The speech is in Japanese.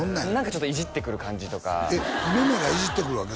ちょっといじってくる感じとかえっめめがいじってくるわけ？